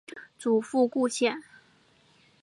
祖父顾显。